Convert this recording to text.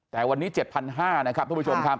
แต่วันนี้๗๕๐๐นะครับทุกผู้ชมครับ